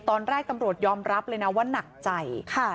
ตอนแรกตำรวจยอมรับเลยนะว่าหนักใจ